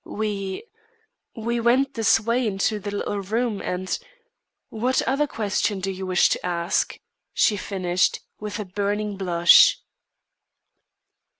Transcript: We we went this way into the little room and what other question do you wish to ask?" she finished, with a burning blush.